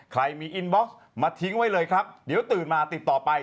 ใครมีอินบ็อกซ์มาทิ้งไว้เลยครับเดี๋ยวตื่นมาติดต่อไป